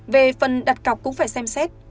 về phần đặt cọc cũng phải xem xét